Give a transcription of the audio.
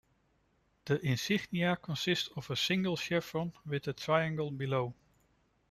The insignia consist of a single chevron with a triangle below.